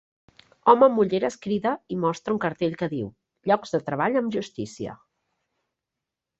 Home amb ulleres crida i mostra un cartell que diu "LLOCS DE TREBALLS AMB JUSTÍCIA".